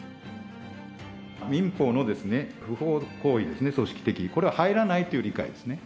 民法の不法行為ですね、組織的、これは入らないという理解ですね。